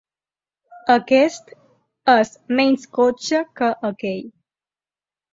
Aquest és menys cotxe que aquell.